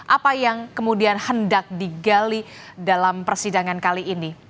apa yang kemudian hendak digali dalam persidangan kali ini